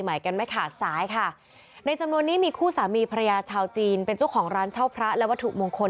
กันไม่ขาดสายค่ะในจำนวนนี้มีคู่สามีภรรยาชาวจีนเป็นเจ้าของร้านเช่าพระและวัตถุมงคล